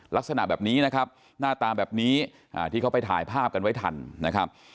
ลักษณะแบบนี้นะครับหน้าตาแบบนี้ที่เขาไปถ่ายภาพกันไว้ทันนะครับ